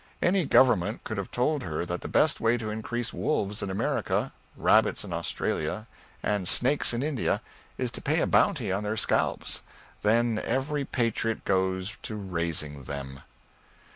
Any Government could have told her that the best way to increase wolves in America, rabbits in Australia, and snakes in India, is to pay a bounty on their scalps. Then every patriot goes to raising them.